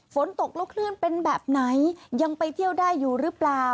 ฝนตกแล้วคลื่นเป็นแบบไหนยังไปเที่ยวได้อยู่หรือเปล่า